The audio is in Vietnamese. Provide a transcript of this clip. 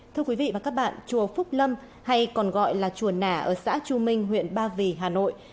thưa quý vị và các bạn chùa phúc lâm hay còn gọi là chùa nả ở xã chu minh huyện ba vì hà nội